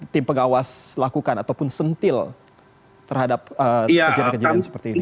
tim pengawas lakukan ataupun sentil terhadap kejadian kejadian seperti ini